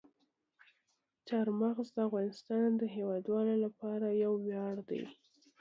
چار مغز د افغانستان د هیوادوالو لپاره یو ویاړ دی.